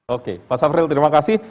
oke pak samril terima kasih